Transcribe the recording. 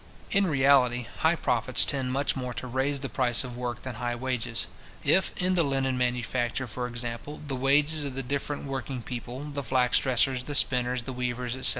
In reality, high profits tend much more to raise the price of work than high wages. If, in the linen manufacture, for example, the wages of the different working people, the flax dressers, the spinners, the weavers, etc.